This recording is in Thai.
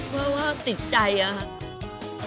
เบื่อว่าติดใจอะ